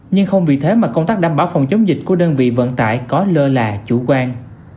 nhưng không vì thế mà công tác đảm bảo phòng chống dịch của đơn vị vận tải có lơ là chủ quan